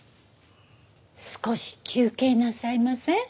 少し休憩なさいません？